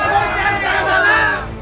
masukkan budi padanya kundanya